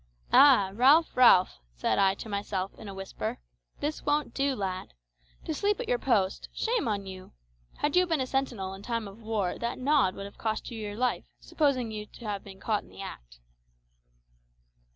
"Ah! Ralph, Ralph," said I to myself in a whisper, "this won't do, lad. To sleep at your post! shame on you! Had you been a sentinel in time of war that nod would have cost you your life, supposing you to have been caught in the act."